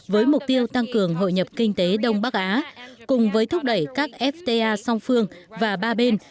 với mục tiêu tăng cường hội nhập kinh tế đông bắc á cùng với thúc đẩy các fta song phương và ba bên